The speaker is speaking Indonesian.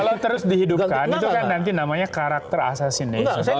kalau terus dihidupkan itu kan nanti namanya karakter asasination